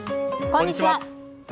こんにちは。